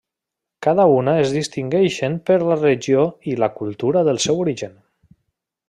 Cada una es distingeixen per la regió i la cultura del seu origen.